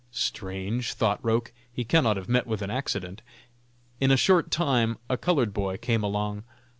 "Strange," thought Roch, "he cannot have met with an accident!" In a short time a colored boy came along.